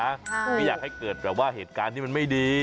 ไม่อยากให้เกิดแบบว่าเหตุการณ์ที่มันไม่ดี